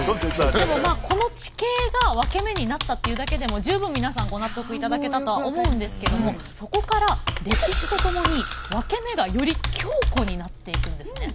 でもまあこの地形がワケメになったっていうだけでも十分皆さんご納得いただけたとは思うんですけどもそこから歴史とともにワケメがより強固になっていくんですね。